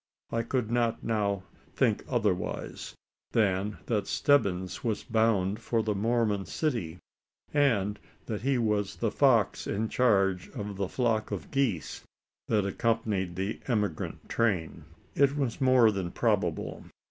I could not now think otherwise, than that Stebbins was bound for the Mormon city; and that he was the fox in charge of the flock of geese that accompanied the emigrant train. It was more than probable.